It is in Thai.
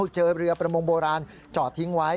เจอเรือประมงโบราณจอดทิ้งไว้